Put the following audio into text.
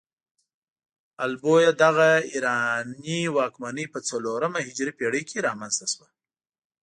ال بویه دغه ایراني واکمنۍ په څلورمه هجري پيړۍ کې رامنځته شوه.